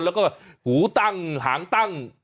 แล้วก็หูตั้งหางตั้ง